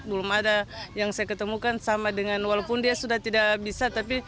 belum ada yang saya ketemukan sama dengan walaupun dia sudah tidak bisa tapi